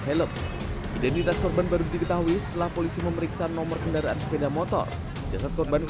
help identitas perban baru diketahui setelah polisi memeriksa nomor kendaraan sepeda motor jasad perban